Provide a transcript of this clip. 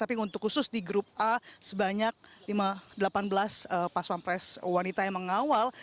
tapi untuk khusus di grup a sebanyak delapan belas pas pampres wanita yang mengawal